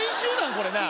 これなあ